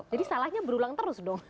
jadi salahnya berulang terus dong